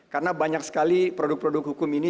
karena banyak sekali produk produk hukum ini